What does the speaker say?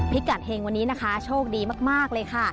พิกัดเฮงวันนี้นะคะโชคดีมากเลยค่ะ